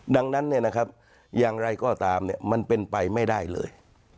ดังนั้นอย่างไรก็ตามมันเป็นไปไม่ได้เลย